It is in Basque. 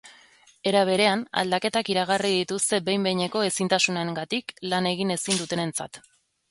Era berean, aldaketak iragarri dituzte behin behineko ezintasunengatik lan egin ezin dutenentzat.